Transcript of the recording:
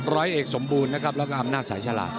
ร้อยเอกสมบูรณ์นะครับแล้วก็อำนาจสายฉลาด